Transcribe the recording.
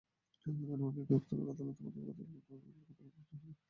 আনোয়ারকে গ্রেপ্তার করে আদালতের মাধ্যমে গতকাল বুধবার দুপুরে কারাগারে পাঠিয়েছে পুলিশ।